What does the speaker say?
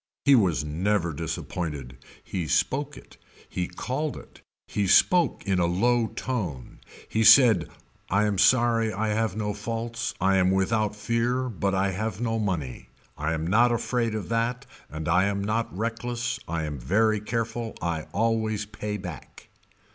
He was never disappointed. He spoke it. He called it. He spoke in a low tone. He said I am sorry I have no faults I am without fear but I have no money, I am not afraid of that and I am not reckless. I am very careful. I always pay back.